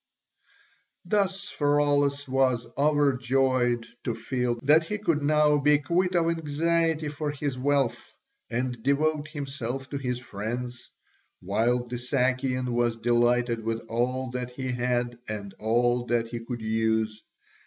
Thus Pheraulas was overjoyed to feel that he could now be quit of anxiety for his wealth, and devote himself to his friends, while the Sakian was delighted with all that he had and all that he could use.